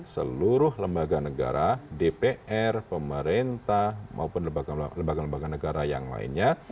seluruh lembaga negara dpr pemerintah maupun lembaga lembaga negara yang lainnya